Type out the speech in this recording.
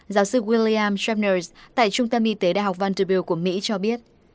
giáo sư william shepner tại trung tâm y tế đh vanderbilt của mỹ cho biết